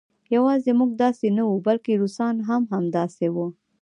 یوازې موږ داسې نه وو بلکې روسان هم همداسې وو